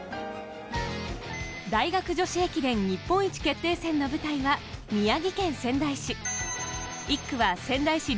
大学女子駅伝、日本一決定戦の舞台は宮城県仙台市。